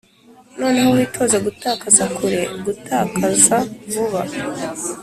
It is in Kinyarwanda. noneho witoze gutakaza kure, gutakaza vuba: